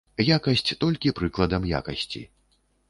Якасць, толькі прыкладам якасці.